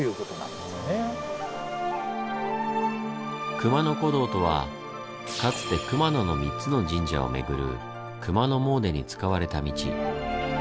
熊野古道とはかつて熊野の３つの神社を巡る「熊野詣で」に使われた道。